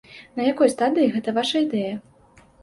На якой стадыі гэта ваша ідэя?